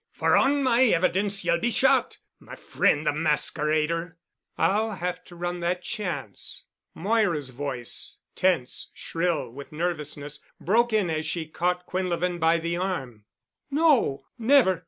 For on my evidence you'll be shot, my friend the masquerader." "I'll have to run that chance——" Moira's voice, tense, shrill with nervousness, broke in as she caught Quinlevin by the arm. "No, never.